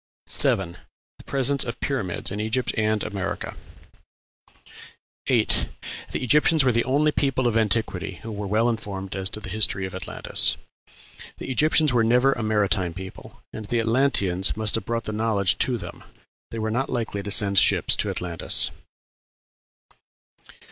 7. The presence of pyramids in Egypt and America. 8. The Egyptians were the only people of antiquity who were well informed as to the history of Atlantis. The Egyptians were never a maritime people, and the Atlanteans must have brought that knowledge to them. They were not likely to send ships to Atlantis.